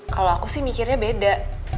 kalau aku sih mikirnya beda